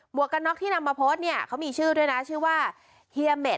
วกกันน็อกที่นำมาโพสต์เนี่ยเขามีชื่อด้วยนะชื่อว่าเฮียเมด